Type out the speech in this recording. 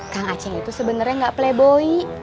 kang aceng itu sebenernya gak playboy